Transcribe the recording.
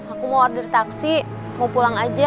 aku mau order taksi mau pulang aja